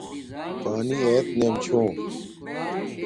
پانی ایت نیم چھوم